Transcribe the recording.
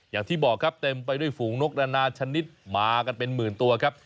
อย่างที่บอกครับเต็มไปด้วยฝูงนกนานาชนิดมากันเป็นหมื่นตัวครับ